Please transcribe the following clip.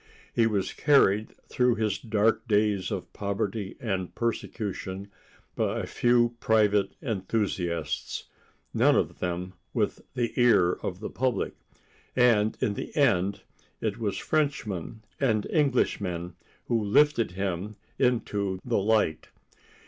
He was carried through his dark days of poverty and persecution by a few private enthusiasts, none of them with the ear of the public, and in the end it was Frenchmen and Englishmen who lifted him into the light.